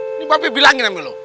eh ini mbak bek bilangin emangnya lo